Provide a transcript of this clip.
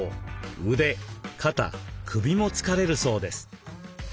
腕肩首も疲れるそうです。